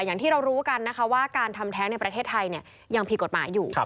อย่างที่เรารู้กันนะคะว่าการทำแท้งในประเทศไทยยังผิดกฎหมายอยู่